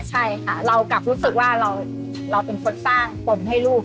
ใช่ค่ะเรากลับรู้สึกว่าเราเป็นคนสร้างปนให้ลูก